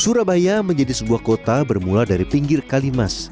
surabaya menjadi sebuah kota bermula dari pinggir kalimas